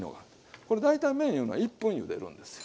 これ大体麺いうのは１分ゆでるんですよ。